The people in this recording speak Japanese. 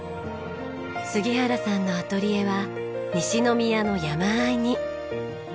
杉原さんのアトリエは西宮の山あいに。